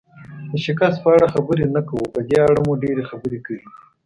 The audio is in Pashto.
د شکست په اړه خبرې نه کوو، په دې اړه مو ډېرې خبرې کړي.